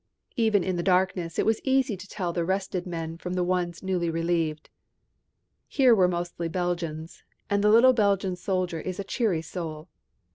Even in the darkness it was easy to tell the rested men from the ones newly relieved. Here were mostly Belgians, and the little Belgian soldier is a cheery soul.